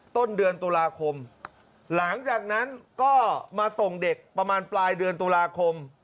ต้นเดือนตุลาคมหลังจากนั้นก็มาส่งเด็กประมาณปลายเดือนตุลาคม